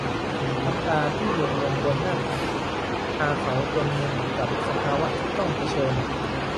น้ำตาที่หยดลงบนหน้าตัก พาเขาจนมุมกับสภาวะที่ต้องเผชิญ